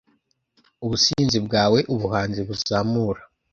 ubusinzi bwawe ubuhanzi buzamura